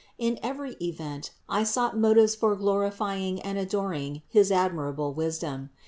In every event I sought mo tives for glorifying and adoring his admirable wisdom.